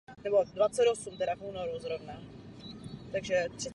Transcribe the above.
Mladší generace mnohdy nemůže zkušenosti nabídnout.